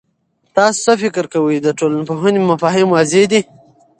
تاسو څه فکر کوئ، د ټولنپوهنې مفاهیم واضح دي؟